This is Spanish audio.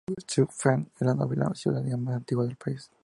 Zutphen es la novena ciudad más antigua del país.